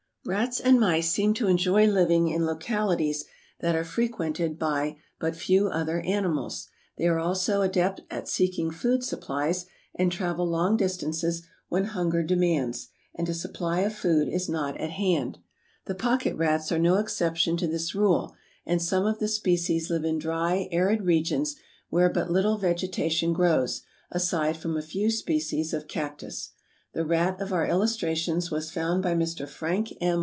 Rats and mice seem to enjoy living in localities that are frequented by but few other animals. They are also adepts at seeking food supplies and travel long distances when hunger demands and a supply of food is not at hand. The Pocket Rats are no exception to this rule and some of the species live in dry, arid regions where but little vegetation grows, aside from a few species of cactus. The rat of our illustration was found by Mr. Frank M.